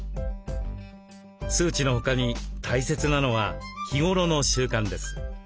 数値の他に大切なのは日頃の習慣です。